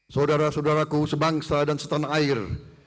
saudara saudaraku sebangsa dan setanah air